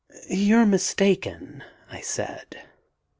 "You're mistaken," I said.